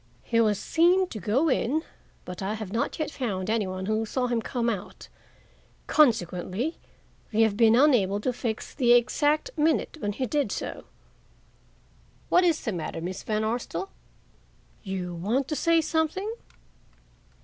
"He was seen to go in, but I have not yet found any one who saw him come out; consequently we have been unable to fix the exact minute when he did so. What is the matter, Miss Van Arsdale? You want to say something?"